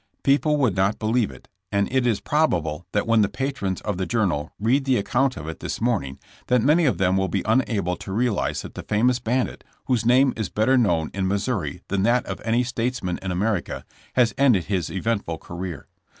People would not believe it, and it is probable that when the patrons of the Journal read the account of it this morning that many of them will be unable to realize that the famous bandit, whose name is better known in Mis souri than that of any statesman in America, has ended his eventful career.